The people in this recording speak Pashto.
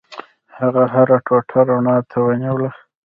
هغه هره ټوټه رڼا ته ونیوله.